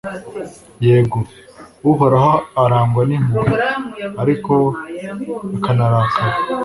yego, uhoraho arangwa n'impuhwe, ariko akanarakara